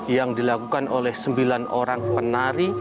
yang dilakukan oleh sembilan orang penari